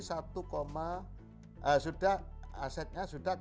sudah asetnya sudah satu dua